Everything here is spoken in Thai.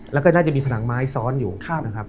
แล้วก็น่าจะมีผนังไม้ซ้อนอยู่นะครับ